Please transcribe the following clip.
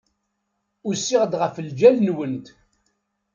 Usiɣ-d ɣef ljal-nwent.